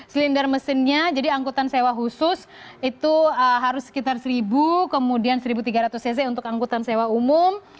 selinder mesinnya jadi angkutan sewa khusus itu harus sekitar seribu kemudian seribu tiga ratus cc untuk angkutan sewa umum